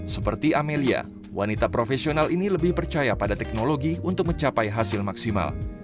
seperti amelia wanita profesional ini lebih percaya pada teknologi untuk mencapai hasil maksimal